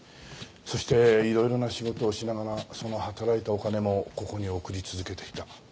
そしていろいろな仕事をしながらその働いたお金もここに送り続けていた。